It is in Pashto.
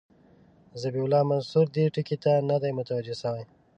ذبیح الله منصوري دې ټکي ته نه دی متوجه شوی.